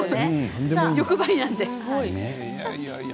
欲張りなんで。